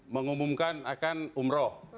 mengumumkan akan umroh